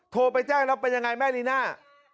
โทรไปแจ้งแล้วเป็นยังไงแม่ลีน่า